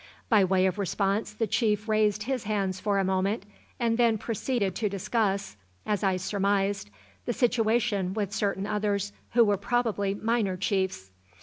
By way of response the chief raised his hands for a moment, and then proceeded to discuss as I surmised the situation with certain others who were probably minor chiefs.